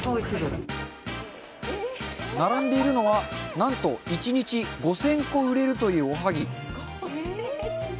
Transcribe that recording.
並んでいるのは、なんと１日５０００個売れるというおはぎ！